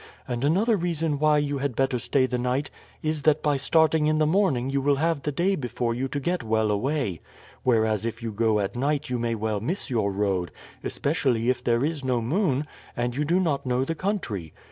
And another reason why you had better stay the night is that by starting in the morning you will have the day before you to get well away, whereas if you go at night you may well miss your road, especially if there is no moon, and you do not know the country.